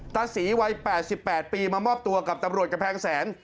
ตาศรีวัย๘๘ปีมามอบตัวกับตำรวจกำแพงแสน